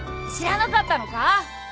知らなかったのか？